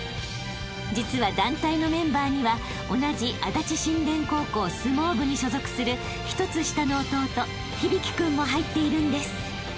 ［実は団体のメンバーには同じ足立新田高校相撲部に所属する１つ下の弟響君も入っているんです］